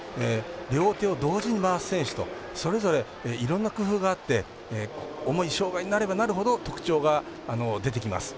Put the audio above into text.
両手を同時に回す選手とそれぞれいろんな工夫があって重い障がいになればなるほど特徴が出てきます。